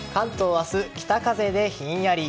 明日、北風でひんやり。